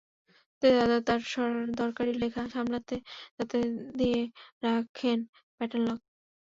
তাই দাদা তাঁর দরকারি লেখা সামলাতে তাতে দিয়ে রাখনে প্যাটার্ন লক।